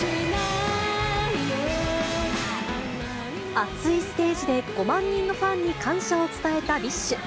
熱いステージで、５万人のファンに感謝を伝えたＢｉＳＨ。